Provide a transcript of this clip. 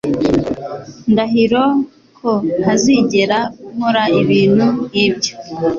Ndahiro ko ntazigera nkora ibintu nkibyo.